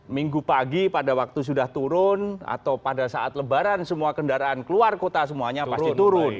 minggu pagi pada waktu sudah turun atau pada saat lebaran semua kendaraan keluar kota semuanya pasti turun